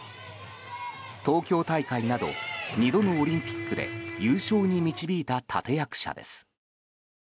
東京大会など２度のオリンピックで優勝に導いた立役者です。